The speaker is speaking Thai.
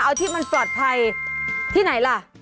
เอาที่มันปลอดภัยที่ไหนล่ะ